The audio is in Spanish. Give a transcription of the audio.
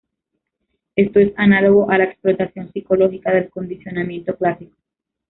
Esto es análogo a la explotación psicológica del condicionamiento clásico.